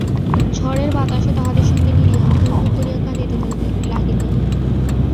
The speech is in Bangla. ঝড়ের বাতাসও তাহাদের সঙ্গে মিলিয়া হূ হূ করিয়া কাঁদিতে লাগিল।